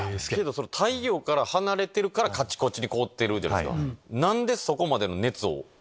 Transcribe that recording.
太陽から離れてるからカチコチに凍ってるじゃないですか。